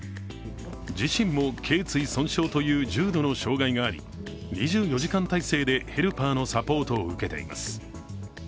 自身もけい堆損傷という重度の障害があり２４時間体制でヘルパーのサポートを受けています。